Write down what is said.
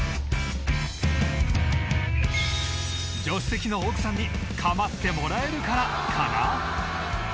助手席の奥さんに構ってもらえるからかな？